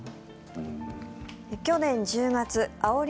去年１０月あおり